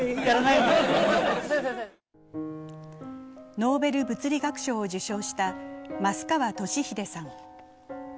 ノーベル物理学賞を受賞した益川敏英さん。